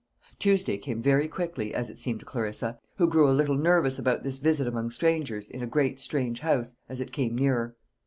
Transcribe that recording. Tuesday came very quickly, as it seemed to Clarissa, who grew a little nervous about this visit among strangers, in a great strange house, as it came nearer.